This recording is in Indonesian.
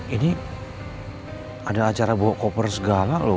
ini ada acara bawa koper segala loh